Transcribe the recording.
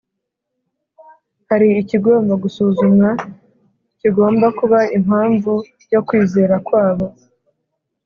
hari ikigomba gusuzumwa, kigomba kuba impamvu yo kwizera kwabo.